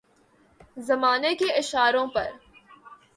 زمانے کے اشاروں پر